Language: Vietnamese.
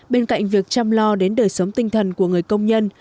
bên cạnh việc chăm lo đến đời sống tinh thần của người công nhân